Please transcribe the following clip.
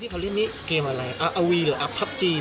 แต่ก็เหมือนกับว่าจะไปดูของเพื่อนแล้วก็ค่อยทำส่งครูลักษณะประมาณนี้นะคะ